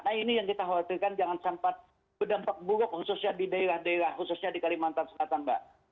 nah ini yang kita khawatirkan jangan sampai berdampak buruk khususnya di daerah daerah khususnya di kalimantan selatan mbak